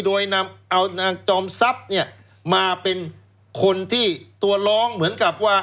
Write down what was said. โดยนำเอานางจอมทรัพย์เนี่ยมาเป็นคนที่ตัวร้องเหมือนกับว่า